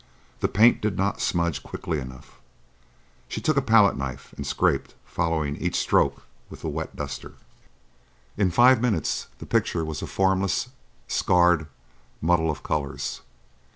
The paint did not smudge quickly enough. She took a palette knife and scraped, following each stroke with the wet duster. In five minutes the picture was a formless, scarred muddle of colours.